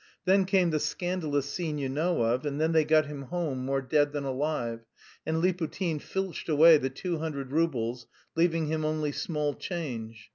Then came the scandalous scene you know of, and then they got him home more dead than alive, and Liputin filched away the two hundred roubles, leaving him only small change.